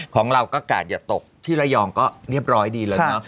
ของเราก็กาดอย่าตกที่ระยองก็เรียบร้อยดีแล้วเนอะ